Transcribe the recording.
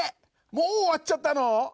もう終わっちゃったの？